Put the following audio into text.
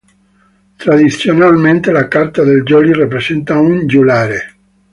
Tradizionalmente, la carta del jolly rappresenta un giullare.